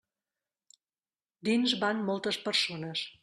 Dins van moltes persones.